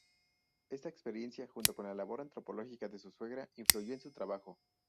Esta experiencia, junto con la labor antropológica de su suegra, influyó en su trabajo.